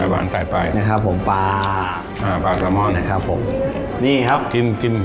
หวานใส่ไปนะครับผมปลาอ่าปลากระม่อนนะครับผมนี่ครับกินกิน